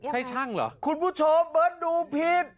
ใช่ช่างเหรอคุณผู้ชมเบิร์ตดูผิด